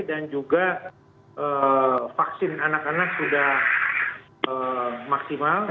dan juga vaksin anak anak sudah maksimal